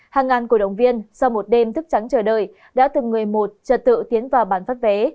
hàng ngàn cổ động viên sau một đêm thức trắng chờ đợi đã từng người một trật tự tiến vào bán phát vé